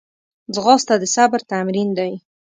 ځغاسته د صبر تمرین دی